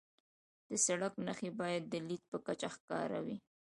د سړک نښې باید د لید په کچه ښکاره وي.